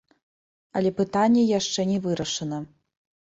Але пытанне яшчэ не вырашана.